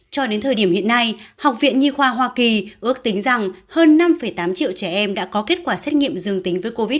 cho đến thời điểm hiện nay học viện nhi khoa hoa kỳ ước tính rằng hơn năm tám triệu trẻ em đã có kết quả xét nghiệm dương tính với covid một mươi